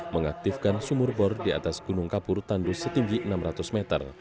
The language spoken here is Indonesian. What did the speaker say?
mengaktifkan sumur bor di atas gunung kapur tandus setinggi enam ratus meter